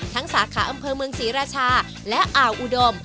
สาขาอำเภอเมืองศรีราชาและอ่าวอุดม